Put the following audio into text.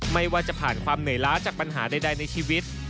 ไม่ว่าจะผ่านความเหนื่อยล้าจากปัญหาใดในชีวิต